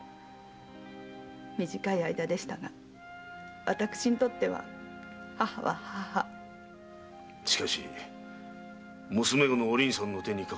短い間でしたが私にとっては「義母」は「義母」しかし娘御のおりんさんの手にかからなくてよかった。